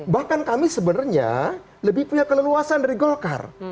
bahkan kami sebenarnya lebih punya keleluasan dari golkar